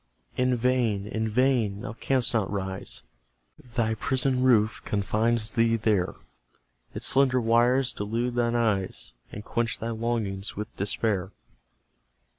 In vain in vain! Thou canst not rise: Thy prison roof confines thee there; Its slender wires delude thine eyes, And quench thy longings with despair.